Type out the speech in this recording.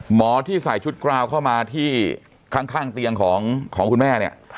หมอที่ใส่ชุดกราวเข้ามาที่ข้างเตียงของคุณแม่เนี่ย